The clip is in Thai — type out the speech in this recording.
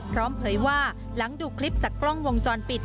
เผยว่าหลังดูคลิปจากกล้องวงจรปิด